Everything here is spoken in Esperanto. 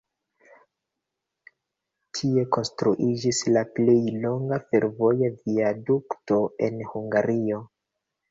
Tie konstruiĝis la plej longa fervoja viadukto en Hungario.